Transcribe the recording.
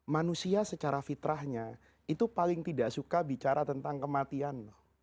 manusia secara fitrahnya itu paling tidak suka bicara tentang kematian